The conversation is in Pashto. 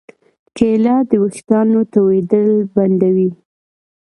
کېله د ویښتانو تویېدل بندوي.